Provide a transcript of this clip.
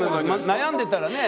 悩んでたらね。